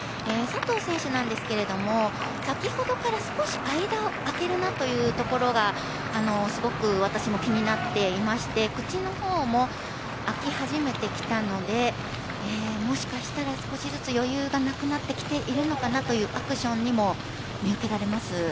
佐藤選手なんですけれども先ほどから少し間をあけるなというところがすごく私も気になっていまして口のほうもあき始めてきたのでもしかしたら少しずつ余裕がなくなってきているのかなというアクションにも見受けられます。